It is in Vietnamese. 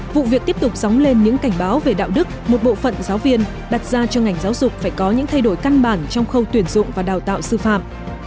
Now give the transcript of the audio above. vụ việc tiếp tục dóng lên những cảnh báo về đạo đức một bộ phận giáo viên đặt ra cho ngành giáo dục phải có những thay đổi căn bản trong khâu tuyển dụng và đào tạo sư phạm